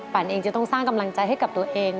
เองจะต้องสร้างกำลังใจให้กับตัวเอง